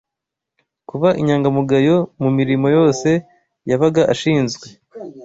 Kuba inyangamugayo mu mirimo yose yabaga ashinzwe